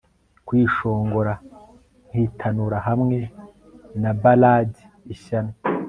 Kwishongora nkitanura hamwe na ballad ishyano